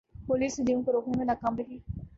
police ہجوم کو روکنے میں ناکام رہی